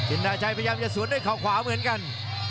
อินทาชัยพยายามจะสวนด้วยเขาขวาเหมือนกัน